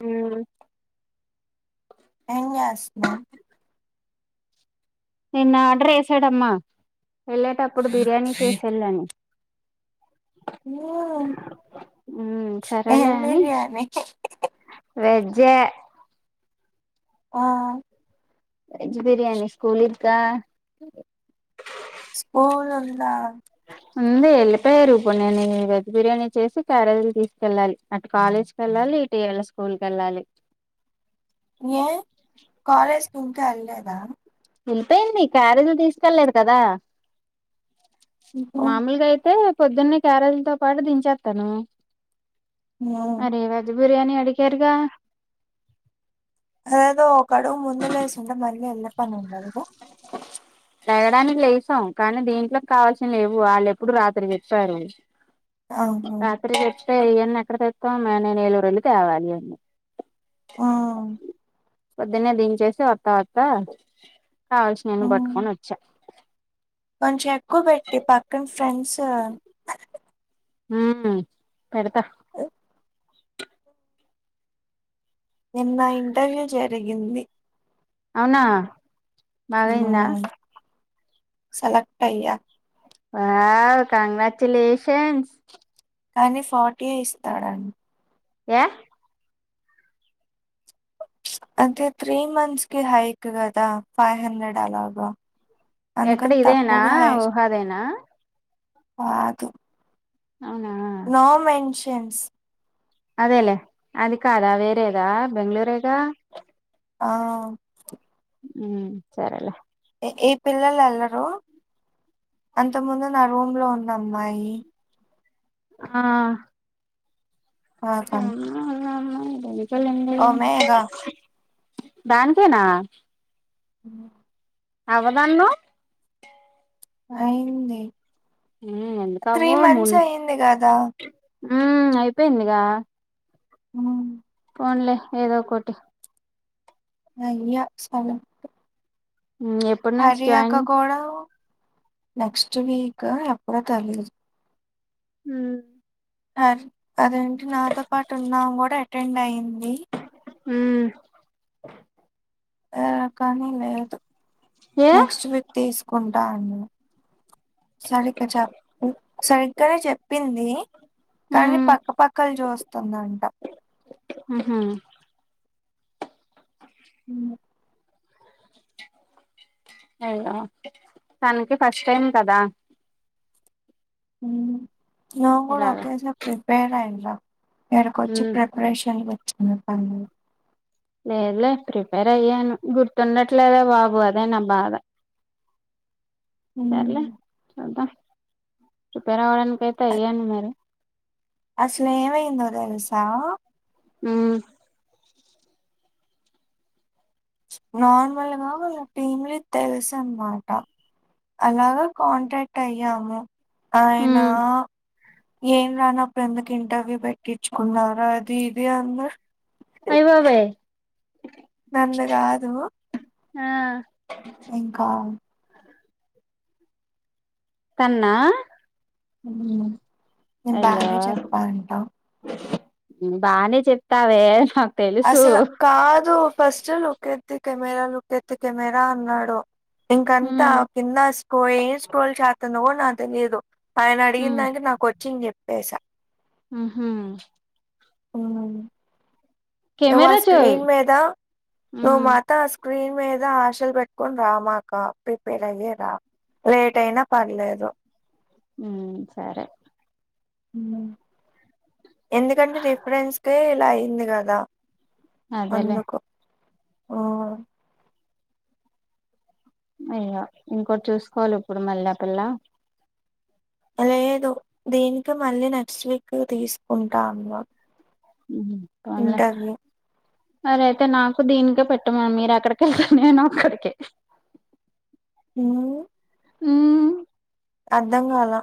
ఉ ఏం చేస్తున్నారు నిన్న ఆర్డర్ చేసాడమ్మా వెళ్ళేటప్పుడు బిర్యానీ చేసి వెళ్ళని ఉ ఉమ్ ఏం సరేలే బిర్యానీ వెజే ఆ వెజ్ బిర్యానీ స్కూల్ ఇకా స్కూల్ ఉందా ఉంది వెళ్ళిపోయారు ఇప్పుడు నేను వెజ్ బిర్యానీచ్చేసి క్యారెజ్లు తీసుకెళ్ళాలి అటు కాలేజ్ వెళ్ళాలి ఇటీవీల స్కూల్కు వెళ్ళాలి ఏ కాలేజ్ ఇంక వెళ్లేదా వెళ్ళిపోయింది క్యారేజీలు తీసుకెళ్లేదు కదా ఉహు. మామూలుగా అయితే పొద్దున్నే క్యారేజ్తో పాటు దించేస్తాను మ్మ్. అరే అది బిర్యాని అడికారుగా ఏదో ఒక అడుగు ముందు లేసింటే మళ్ళీ వెళ్ళే పని ఉండదు లేగడానికి లేసాం కానీ దీంట్లోకి కావాల్సిన లేవు వాళ్ళు ఎప్పుడు రాత్రి చెప్పారు ఆహా. రాత్రి చేప్తతే ఇవన్నీ ఎక్కడి తెస్తాం నేను ఏలరు వెళ్ళి తేవాలి అన్నీ ఉ పొద్దున్నే దించేసి వత్త వత్తా కావాల్సియన్ని పట్టుకొని వచ్చాను కొంచం ఎక్కువ పెట్టి పక్కన ఫ్రెండ్స్ ఉ పెడత నిన్న ఇంటర్వ్యూ జరిగింది అవునా ఉ బాగయిందా సెలెక్ట్ అయ్యా వావ్ కంగ్రాచులేషన్స్ కానీ ఫార్టీయే ఇస్తాడం ఏ అంటే త్రీ మంత్స్ కి హైక్ కదా ఫైవ్ హండ్రెడ్ అలాగా అందుకని తక్కువగా హైర్ అదేనా కాదు అవునా నో మెన్షన్స్ అదేలే అధికాద వేరేధా బెంగళూరేగా ఆ ఉ సరేలే ఏ ఈ పిల్లలు వెళ్లరు అంత ముందు నా రూమ్ లో ఉన్న అమ్మాయి ఆ ఆహా చెప్పలాండి దానికేనా [inaudible] అవ్వదన్నవ్ అయింది మ్మ్ త్రీ ఎందుకవ్వవు మంత్స్ అయింది కదా ఉ అయిపోయిందిగా హా ఓన్లే ఏదో ఒకటి అ సాల మ [unintelligible] హరియాక కూడా నెక్స్ట్ వీక్ ఎప్పుడో తెలిదు హు అదేంటి నాతో పాటు ఉన్నా ఆమె కూడా అటెండ్ అయింది హు కానీ లేదు ఏ నెక్స్ట్ వీక్ తీసుకుంటా అన్నా సరిగ్గా సరిగ్గానే చెప్పింది కానీ ఉమ్ పక్క పక్కలు చూస్తుందంట ఉహు ఉమ్, అయ్యో తనకి ఫస్ట్ టైమ్ కదా నువ్వు కూడా ఇలాగ ఒకేసారి ప్రిపేర్ అయి రా ఇక్కడకి వచ్చి ఉమ్ ప్రి రషయాలు వచ్చిన ప లేదులే ప్రిపేర్ అయ్యాను గుర్తుండట్లేదే బాబు అదే నా బాధ [inaudible] సర్లే చూద్దాం ప్రిపేర్ అవ్వడానికి అయితే అ- అయ్యాను మరి అసలు ఏమైందో తెలుసా ఊ నార్మల్ గా వాళ్ళ టీంలు తెలుసన్నమాట అలాగా కాంటాక్ట్ అయ్యాము ఆయన ఉమ్ ఏం రానప్పుడు ఎందుకు ఇంటర్వ్యూ పెట్టించుకున్నవురా అది ఇది అన్నా అయ్యా బాబోయి నన్ను కాదు ఆ ఇంకా తన్నా హు అయ్యో బానే చెప్తావే హ అసలు కాదు first look at the camera look at the camera అన్నాడు ఇంకంతా ఉమ్ కింద స్కో ఏ స్క్రోల్ చెత్తంధో కూడా నాకు తెలియదు ఆయన ఉమ్ అడిగినదానికి నాకు వచ్చింది చెప్పేసా ఉహు [unintelligible] నువ్ ఆ కెమెరా చూడు స్క్రీన్ మీద నువ్ ఉమ్ మాత ఆసు స్క్రీన్ మీద ఆశలు పెట్టుకుని రామాక ప్రిపేర్ అయ్యే రా లేట్ అయినా పర్లేదు ఉహ్మ్ సరే ఉహ్ ఎందుకంటే రేపుడేన్సకే ఇలా అయింది కదా అదేలే అందుకు ఓహ్ అయ్యా ఇంకోటి చూసుకోవాలి ఇప్పుడు మళ్ళా పిల్లా లేదు దీనికి మళ్ళీ నెక్స్ట్ వీక్ తీసుకుంటా అన్నా. ఉహుహ్ కొన్లే అలా అయితే నాకు దీనికే పెట్టమన్ మీరు ఎక్కడికెళితే నేను అక్కడికే ఉహ్ ఉహ్ అర్ధం గాలా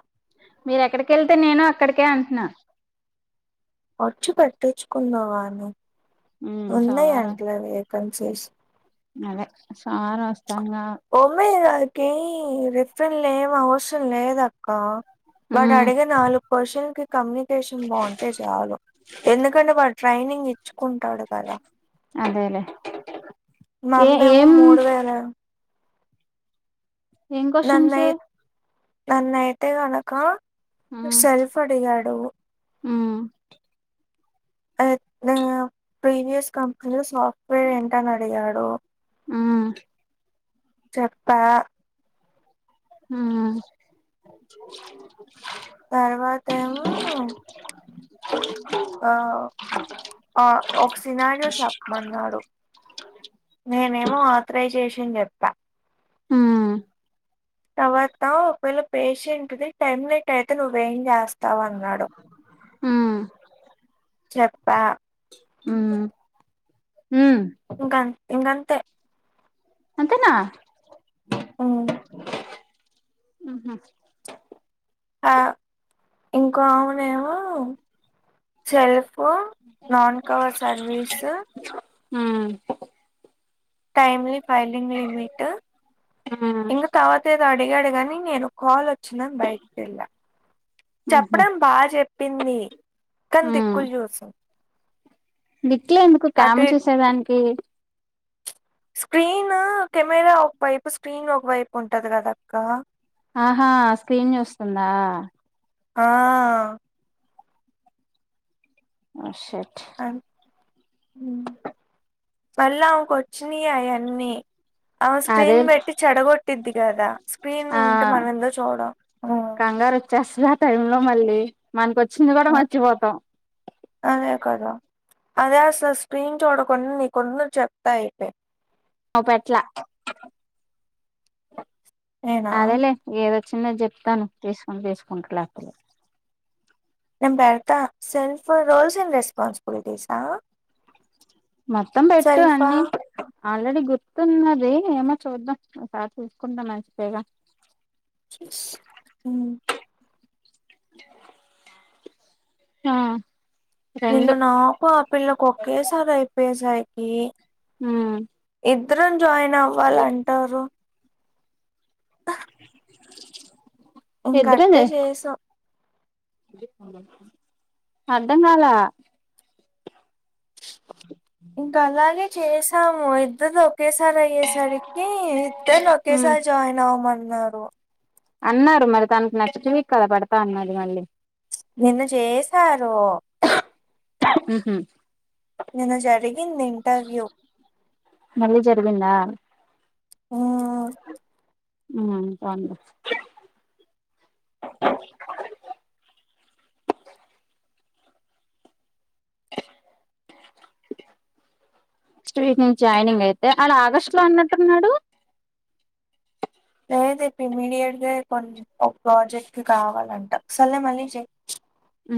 మీర ఎక్కడికి ఏళ్తే నేను అక్కడికే అట్నా వచ్చి పెట్టించుకున్నావాను ఉమ్ ఉన్నాయి అంట్లో వేకెన్సీస్ నాదే సోవారం వస్తానంగా ఓమి రాఖీ రెఫెరల్ ఏం అవసరం లేదక్క. వాడు ఉమ్ అడిగే నాలుగు క్వశ్చన్కి కమ్యూనికేషన్ బావుంటే చాలు ఎందుకంటే వాడు ట్రైనింగ్ ఇచ్చుకుంటాడు కదా అదేలే ఏ నన్నేమో ఏం మూడు వేలే ఏం క్వశ్చన్స్ నాన్నయ్ ననైతే గానక సెల్ఫ్ అడిగాడు. ఉహ్ అయితే ప్రీవియస్ కంపెనీలో సాఫ్ట్వేర్ ఏంటని అడిగాడు. ఉహ్ చెప్పా ఉహుహ్ తర్వాతే [inaudible] ఆ ఓ ఆ ఒక్క సినారియో చెప్పమన్నాడు. నేనేమో అత్రాయ్ జేషన్ జేప్పా ఉహుహ్ తర్వాత ఒకవేళ పేషెంట్ది టైమ్ లేట్ అయితే నువ్ ఏం జేస్తావ్ అన్నాడు. ఉమ్ చెప్పా ఉహుహ్ ఉహ్ గాన్ ఇంగాంతే అంతేనా హ్మ్. ఆ ఇంకో అవ్వనేవో సెల్ఫ్ పో నాన్ కవర్ సర్వీసు ఉహ్ టైమ్లీ ఫైలింగ్ లిమిట్టు ఉమ్ ఇంగా తవాత ఏ అడిగాడు గాని నేను కాల్ వచ్చిదని బయట్ కెళ్ళా ఉహు చెప్పడం బాగ్ జేప్ పింది కాన్ దిక్కుల్ యూసు దిట్లే ఎందుకు అటు కాము ఇటు చూసేదానికి స్క్రీను కెమెరా ఒక వైపు స్క్రీన్ ఒక వైపు ఉంటది గదా అక్క ఆహా స్క్రీన్ జూసుందా. ఆ ఆ షట్ అ [unintelligible] వచ్చినాయి ఆయన్ని అ అదే స్క్రీన్ పెట్టి చెడగొట్టిద్ది కదా స్క్రీన్ ఆ ఉంటే మనం ఎందో చూడ ఆ [unintelligible] లో మళ్ళీ మనకి వచ్చింది కూడా అ మర్చిపోతాం అదే కదా అదే అసలు స్క్రీన్ చూడకుండ [unintelligible] చెప్తా అయితే ఓ పెట్ల నేనా? అదేలేే ఏదొచ్చిన చెప్తాను తీసుకుని తీసుకుంట [unintelligible] [unintelligible] సెల్ఫ్ రోల్స్ ఇండ్ [unintelligible] మొత్తం పెట్టు అన్నీ ఆల్రెడీ గుర్తున్నది ఏమో చూద్దాం ఒకసారి చూసుకుంటాం మంచి దేగ ఉ ఆ రెండు నిన్ను నాకు ఆ పిల్లలకు ఒకేసారి అయిపోయేసరికి హు ఇద్దరం జాయిన్ అవ్వాల అంటారు ఇంకట్టే చేసాం అర్ధంకాల ఇంక అలాగే చేసాము [unintelligible] [unintelligible] అయ్యేసరికి ఇద్దరు ఉమ్ ఒకేసారి జాయిన్ అవ్వమన్నారు అన్నారు మరి తనకు నచ్చవి కదా పడతా అన్నది మళ్ళీ నిన్న చేసారు ఉహు నేను జరిగింది ఇంటర్ [unintelligible] మళ్ళీ జరిగింద ఊ ఉ [unintelligible] నెక్స్ట్ వీక్ నుంచి జాయినింగ్ అయితే అలా ఆగస్టు లో అన్నట్టున్నాడు [unintelligible] ఇప్పు ఇమీడియట్ గా కొ ప్రాజెక్ట్ క కావాలంటసలేే మళ్ళీ చె ఉ